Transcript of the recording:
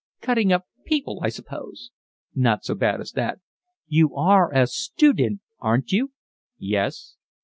"Cutting up people, I suppose?" "Not so bad as that." "You are a stoodent, aren't you?" "Yes."